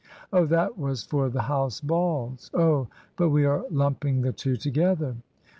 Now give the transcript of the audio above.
Oh, that was for the House balls oh, but we are lumping the two together.